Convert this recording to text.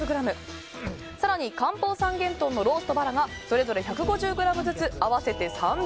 更に、漢方三元豚のロースとバラがそれぞれ１５０ｇずつ合わせて３００ｇ。